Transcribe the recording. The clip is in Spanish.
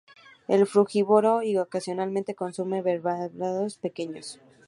Es frugívoro y ocasionalmente consume vertebrados pequeños.